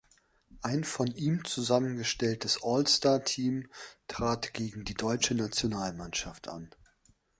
Ein von ihm zusammengestelltes All-Star-Team trat gegen die deutsche Nationalmannschaft an.